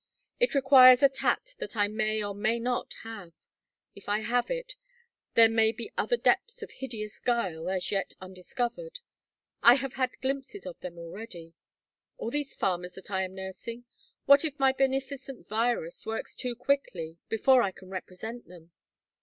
It requires a tact that I may or may not have. If I have it, there may be other depths of hideous guile, as yet undiscovered. I have had glimpses of them already. All these farmers that I am nursing? What if my beneficent virus works too quickly before I can represent them?